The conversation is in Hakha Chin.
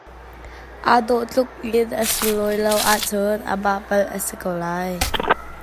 Aa dawh tluk in a sunlawi lo ahcun amah palh a si ko lai.